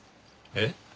えっ？